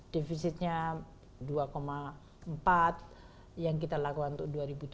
defisitnya dua empat yang kita lakukan untuk dua ribu tujuh belas